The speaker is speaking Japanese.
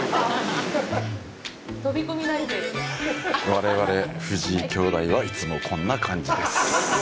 我々、藤井兄弟は、いつもこんな感じです。